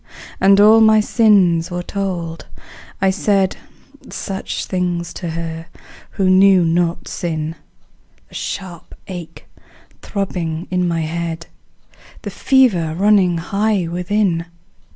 And all my sins were told; I said Such things to her who knew not sin The sharp ache throbbing in my head, The fever running high within.